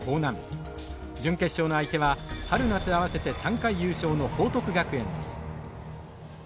準決勝の相手は春夏合わせて３回優勝の報徳学園です。